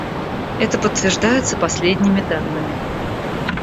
Это подтверждается последними данными.